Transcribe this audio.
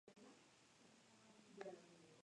Ganó once títulos de Liga y ocho títulos de copa.